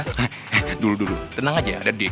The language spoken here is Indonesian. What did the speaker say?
he he dulu dulu tenang aja ya ada dick